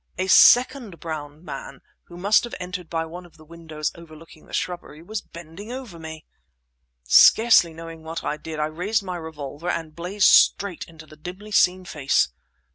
A second brown man (who must have entered by one of the windows overlooking the shrubbery) was bending over me! Scarce knowing what I did, I raised my revolver and blazed straight into the dimly seen face.